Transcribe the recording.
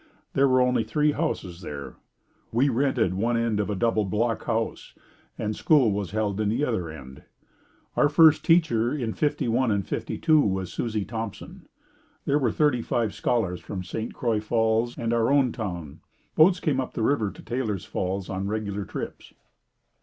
There were only three houses there. We rented one end of a double block house and school was held in the other end. Our first teacher in '51 and '52 was Susie Thompson. There were thirty five scholars from St. Croix Falls and our own town. Boats came up the river to Taylor's Falls on regular trips.